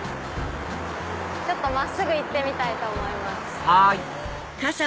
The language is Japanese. ちょっと真っすぐ行ってみたいと思います。